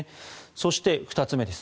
そして、２つ目です。